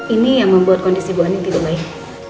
ini yang membuat kondisi bu ani tidak baik